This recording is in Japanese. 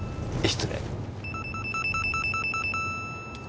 失礼。